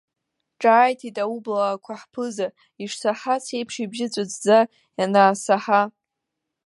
Ҽааиҭит аублаақәа ҳԥыза, ишсаҳац еиԥш ибжьы ҵәыҵәӡа ианаасаҳа.